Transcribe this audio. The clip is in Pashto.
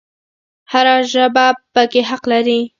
هر ژبه پکې حق لري